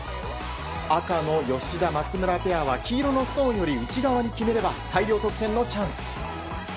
赤の吉田、松村ペアは黄色のストーンより内側に決めれば大量得点のチャンス。